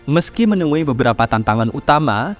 meski menemui beberapa tantangan utama